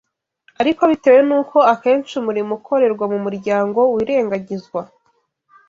ariko bitewe n’uko akenshi umurimo ukorerwa mu muryango wirengagizwa